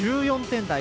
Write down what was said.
１４点台。